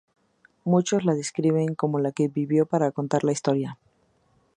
Muchos la describen como 'La que vivió para contar la historia'.